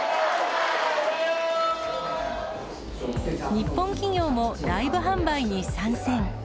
日本企業もライブ販売に参戦。